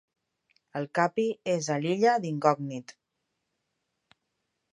El Capi és a l'illa d'incògnit.